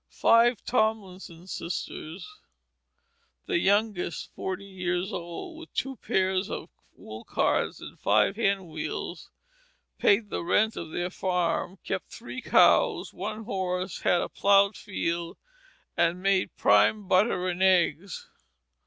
Five Tomlinson sisters, the youngest forty years old, with two pair of wool cards and five hand wheels, paid the rent of their farm, kept three cows, one horse, had a ploughed field, and made prime butter and eggs.